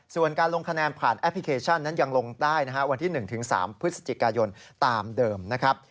ส่วนการลงคะแนนผ่านแอปพลิเคชันนั้นยังลงได้นะฮะวันที่๑๓พฤศจิกายนตามเดิมนะครับ